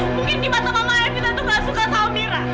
mungkin di mata mama evita itu gak suka sama mira